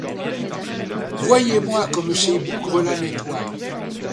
Voyez-moi comme ces bougres-là nettoient!